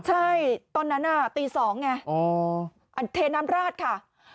ใช่ตอนนั้นตี๒ไงเทน้ำราดค่ะ